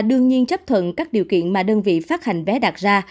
đương nhiên chấp thuận các điều kiện mà đơn vị phát hành vé đặt ra